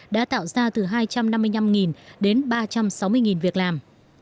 đã tạo ra từ hai trăm năm mươi năm đến ba trăm sáu mươi việc làm